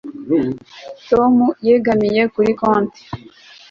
Tom yegamiye kuri konti